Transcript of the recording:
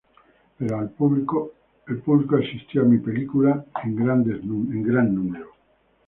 Pero el público asistió a mi película en grandes números.